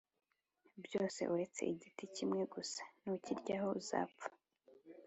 byose uretse igiti kimwe gusa Nukiryaho uzapfa